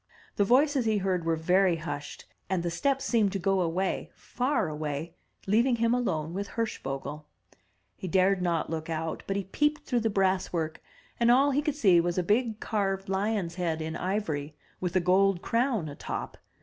The voices he heard were very hushed, and the steps seemed to go away, far away, leaving him alone with Hirschvogel. He dared not look out, but he peeped through the brass work, and all he could see was a big carved lion's head in ivory, with a gold crown atop.